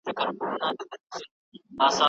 ایا ته د قیامت ورځې ته تیار یې؟